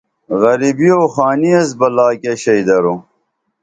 غریبی او خانی ایس بہ لا کیہ شئی دور